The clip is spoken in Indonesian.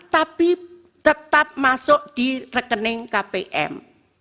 tapi tetap masuk di rekening kpm